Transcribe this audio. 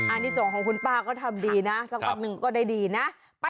อันนี้ส่งของคุณป้าก็ทำดีนะสักวันหนึ่งก็ได้ดีนะ